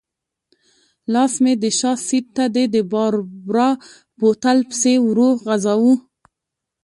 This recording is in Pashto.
لاس مې د شا سېټ ته د باربرا بوتل پسې ورو غځاوه.